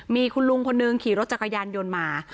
มีคุณลุงคนนึงขี่รถจักรยานยนต์มา